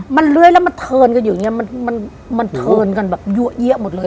มันเลื้อยแล้วมันเทินกันอยู่อย่างนี้มันเทินกันแบบเยอะแยะหมดเลย